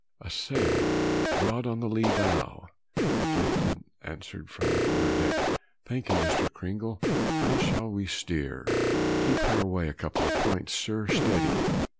"A sail, broad on the lee bow." The captain answered from the quarter deck "Thank you, Mr. Cringle. How shall we steer?" "Keep her away a couple of points, sir, steady."